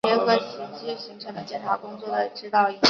结合实际形成对检察工作的指导、引领